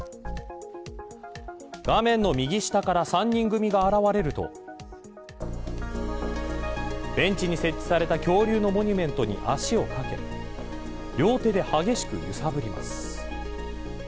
画面の右下から３人組が現れるとベンチに設置された恐竜のモニュメントに足を掛け両手で激しく揺さぶります。